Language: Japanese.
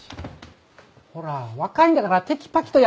ほら若いんだからテキパキとやりましょう。